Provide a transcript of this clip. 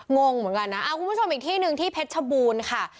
งงเหมือนกันนะคุณผู้ชมอีกที่หนึ่งที่เพชรชบูรณ์ค่ะ